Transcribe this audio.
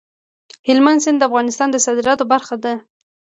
هلمند سیند د افغانستان د صادراتو برخه ده.